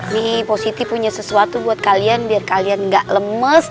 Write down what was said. nih positif punya sesuatu buat kalian biar kalian gak lemes